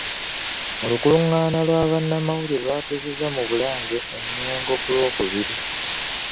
Mu lukungaana lwa bannamawulire lw’atuuzizza mu Bulange e Mmengo ku Lwokubiri.